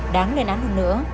đáng lên án hơn nữa